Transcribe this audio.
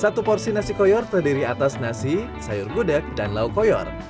satu porsi nasi koyor terdiri atas nasi sayur gudeg dan lauk koyor